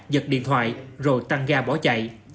giật điện thoại rồi tăng ga bỏ chạy